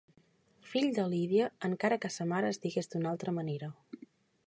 Fill de Lídia, encara que sa mare es digués d'una altra manera.